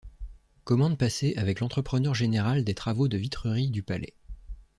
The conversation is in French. Commande passée avec l'entrepreneur général des travaux de vitrerie du Palais.